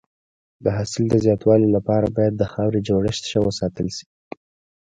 د حاصل د زیاتوالي لپاره باید د خاورې جوړښت ښه وساتل شي.